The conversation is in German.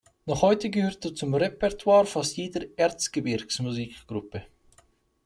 Noch heute gehört er zum Repertoire fast jeder Erzgebirgs-Musikgruppe.